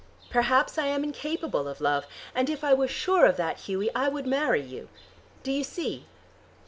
Perhaps I am incapable of love. And if I was sure of that, Hughie, I would marry you. Do you see?"